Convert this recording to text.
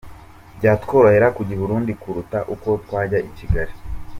Byatworohera kujya i Burundi kuruta uko twajya i Kigali.